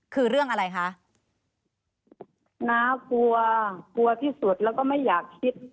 คือเรื่องอะไรคะน้ากลัวกลัวที่สุดแล้วก็ไม่อยากคิด